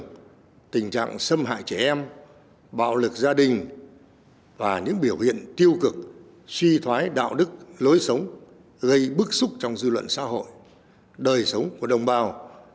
tình trạng xâm hại trẻ em bạo lực gia đình và những biểu hiện tiêu cực suy thoái đạo đức lối sống gây bức xúc trong dư luận xã hội đời sống của đồng bào